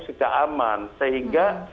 sudah aman sehingga